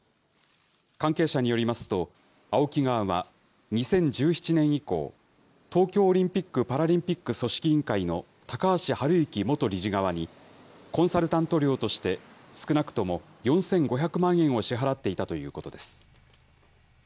関係者によりますと、ＡＯＫＩ側は、２０１７年以降、東京オリンピック・パラリンピック組織委員会の高橋治之元理事側に、コンサルタント料として、少なくとも４５００万円を支払っていたということです。